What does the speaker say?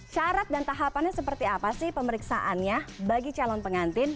syarat dan tahapannya seperti apa sih pemeriksaannya bagi calon pengantin